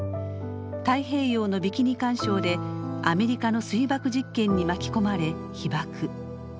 太平洋のビキニ環礁でアメリカの水爆実験に巻き込まれ被ばく。